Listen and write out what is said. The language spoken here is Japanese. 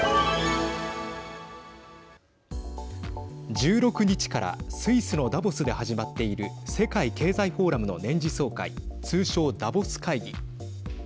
１６日からスイスのダボスで始まっている世界経済フォーラムの年次総会通称、ダボス会議。